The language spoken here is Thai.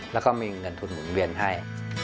แล้วก็มีเงินทุนหมุนเวียนให้